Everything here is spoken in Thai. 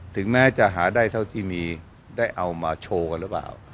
ถึงแม้จะหาได้เท่าที่มีได้เอามาโชว์กันหรือเปล่า